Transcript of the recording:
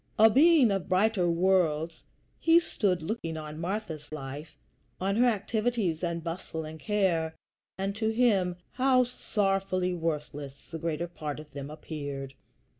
A being of brighter worlds, he stood looking on Martha's life, on her activities and bustle and care; and to him how sorrowfully worthless the greater part of them appeared!